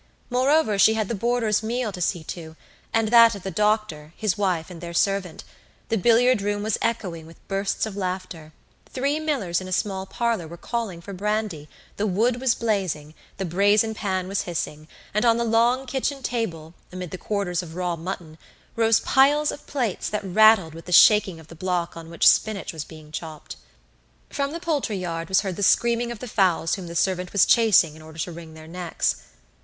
Moreover, she had the boarders' meal to see to, and that of the doctor, his wife, and their servant; the billiard room was echoing with bursts of laughter; three millers in a small parlour were calling for brandy; the wood was blazing, the brazen pan was hissing, and on the long kitchen table, amid the quarters of raw mutton, rose piles of plates that rattled with the shaking of the block on which spinach was being chopped. From the poultry yard was heard the screaming of the fowls whom the servant was chasing in order to wring their necks.